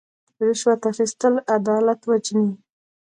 رشوت اخیستل عدالت وژني.